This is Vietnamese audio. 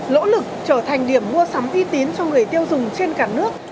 lỗ lực trở thành điểm mua sắm y tín cho người tiêu dùng trên cả nước